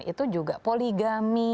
itu juga poligami